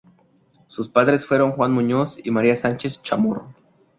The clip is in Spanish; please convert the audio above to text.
Sus padre fueron Juan Muñoz y María Sánchez Chamorro.